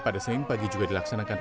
pada senin pagi juga dilaksanakan